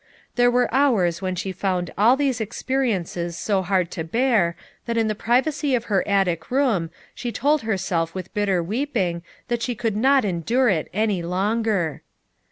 There were hours when she found all these ex periences so hard to bear that in the privacy of her attic room she told herself with bitter weeping that she could not endure it any longer.